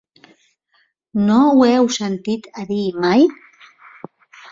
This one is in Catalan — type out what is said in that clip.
No ho heu sentit a dir mai?